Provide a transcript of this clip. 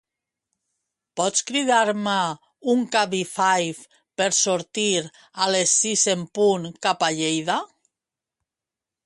Pots cridar-me un Cabify per sortir a les sis en punt cap a Lleida?